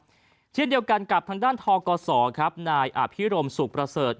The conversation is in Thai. เช่นเดียวกันกับทางด้านทกศครับนายอภิรมสุขประเสริฐ